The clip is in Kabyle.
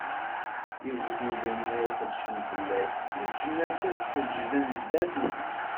Igduden ad qedcen fell-ak, leǧnas ad seǧǧden zdat-k!